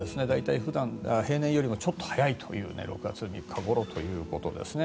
関東地方も大体、平年よりもちょっと早い６月３日ごろということですね。